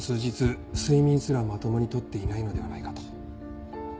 睡眠すらまともに取っていないのではないかと。